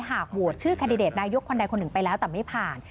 โหวตชื่อแคนดิเดตนายกคนใดคนหนึ่งไปแล้วแต่ไม่ผ่าน